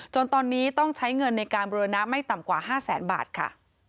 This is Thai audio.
จนตอนนี้ต้องใช้เงินในการบูรณะไม่ต่ำกว่า๕แสนบาทค่ะ